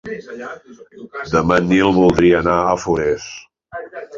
Demà en Nil voldria anar a Forès.